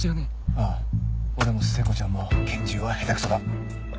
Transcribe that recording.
ああ俺も聖子ちゃんも拳銃は下手クソだ。